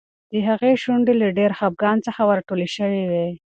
د هغې شونډې له ډېر خپګان څخه ورټولې شوې وې.